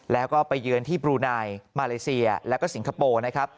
แล้วก็ไปเยือนที่บรูไนมาเลเซียแล้วก็สิงคโปร์